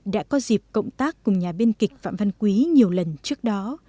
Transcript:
đã có dịp cộng tác cùng nhà biên kịch phạm văn quý nhiều lần trước đó